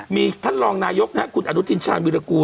มีท่านรองนายกคุณอนุทินชาญวิรากูล